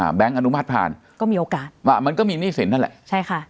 แบงค์อนุมัติผ่านก็มีโอกาสว่ามันก็มีหนี้สินนั่นแหละใช่ค่ะ